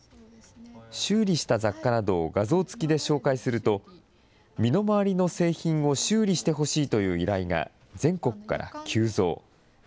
修理した雑貨などを画像付きで紹介すると、身の回りの製品を修理してほしいという依頼が全国から急増。